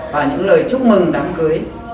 và những lời chúc mừng đám cưới